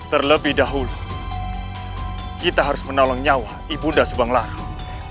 terlebih dahulu kita harus menolong nyawa ibunda subanglarang